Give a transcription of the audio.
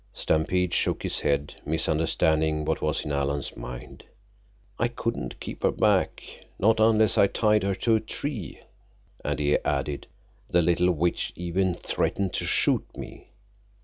Stampede shook his head, misunderstanding what was in Alan's mind. "I couldn't keep her back, not unless I tied her to a tree." And he added, "The little witch even threatened to shoot me!"